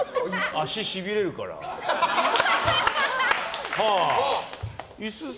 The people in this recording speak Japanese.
足しびれるからって。